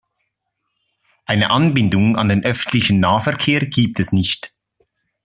Eine Anbindung an den öffentlichen Nahverkehr gibt es nicht.